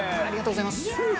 ありがとうございます。